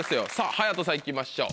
隼人さん行きましょう。